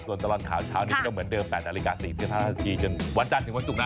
ส่วนตลอดข่าวเช้านี้ก็เหมือนเดิม๘นาฬิกา๔๕นาทีจนวันจันทร์ถึงวันศุกร์นะ